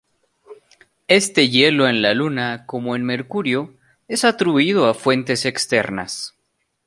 Este hielo en la Luna, como en Mercurio, es atribuido a fuentes externas.